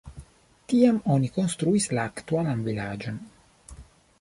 Tiam oni konstruis la aktualan vilaĝon.